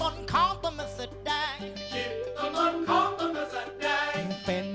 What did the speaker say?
สักชีวิตสร้างอะไรไว้ก่อนตาย